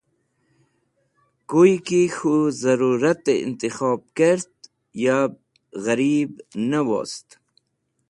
Kuy ki k̃hũ zẽruratẽ intikhob kert yab ghẽrib ne wost.